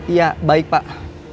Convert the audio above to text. iya baik pak